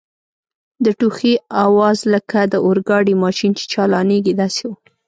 د ټوخي آواز لکه د اورګاډي ماشین چي چالانیږي داسې و.